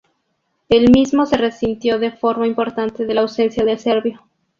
El mismo se resintió de forma importante de la ausencia del serbio.